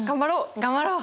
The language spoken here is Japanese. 頑張ろう！